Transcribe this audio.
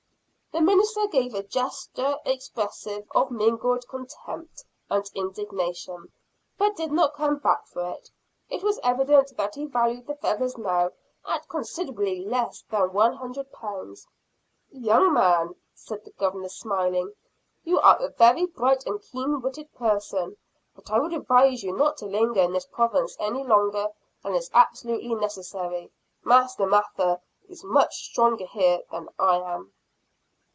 The minister gave a gesture expressive of mingled contempt and indignation but did not come back for it. It was evident that he valued the feathers now at considerably less than one hundred pounds. "Young man," said the Governor, smiling, "you are a very bright and keen witted person, but I would advise you not to linger in this province any longer than is absolutely necessary. Master Mather is much stronger here than I am."